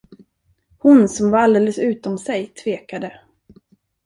Hon, som var alldeles utom sig, tvekade.